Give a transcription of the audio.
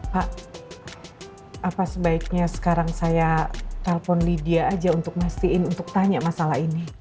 pak apa sebaiknya sekarang saya telpon lydia aja untuk ngasihin untuk tanya masalah ini